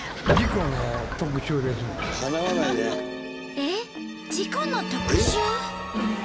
えっ？事故の特集？